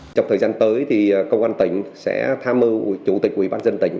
trong thời gian tới thì công an tỉnh sẽ tham mưu chủ tịch quỹ bán dân tỉnh